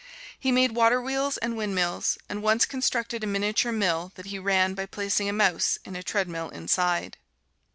He made water wheels and windmills, and once constructed a miniature mill that he ran by placing a mouse in a treadmill inside.